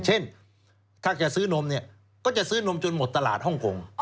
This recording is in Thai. เช่นถ้าจะซื้อนมเนี่ยก็จะซื้อนมจนหมดตลาดฮ่องกง